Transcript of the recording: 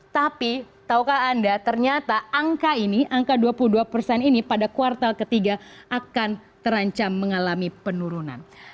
tapi tahukah anda ternyata angka ini angka dua puluh dua persen ini pada kuartal ketiga akan terancam mengalami penurunan